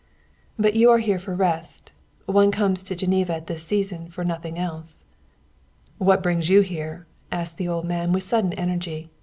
"But you are here for rest one comes to Geneva at this season for nothing else." "What brings you here?" asked the old man with sudden energy.